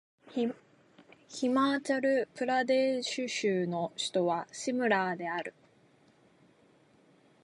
ヒマーチャル・プラデーシュ州の州都はシムラーである